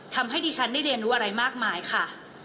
ทำให้ดิฉันได้เรียนรู้อะไรมากมายค่ะ